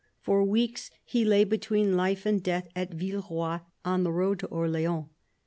For weeks he lay between life and death at Villeroy, on the road to Orleans.